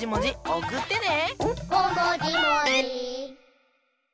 おくってね！